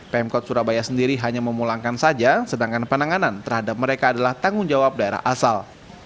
pemkot surabaya sendiri hanya memulangkan saja sedangkan penanganan terhadap mereka adalah tanggung jawab daerah asal